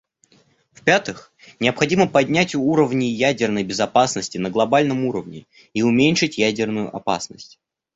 В-пятых, необходимо поднять уровни ядерной безопасности на глобальном уровне и уменьшить ядерную опасность.